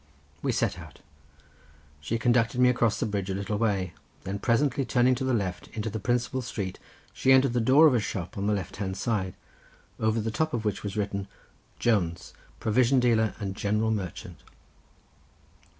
We set out. She conducted me across the bridge a little way; then presently turning to the left into the principal street, she entered the door of a shop on the left hand side, over the top of which was written: "Jones; provision dealer and general merchant."